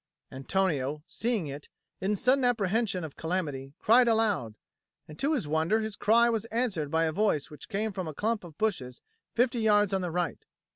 Antonio, seeing it, in sudden apprehension of calamity, cried aloud; and to his wonder his cry was answered by a voice which came from a clump of bushes fifty yards on the right.